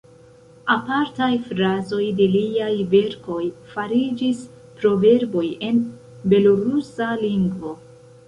Apartaj frazoj de liaj verkoj fariĝis proverboj en belorusa lingvo.